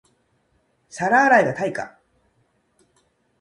皿洗いが対価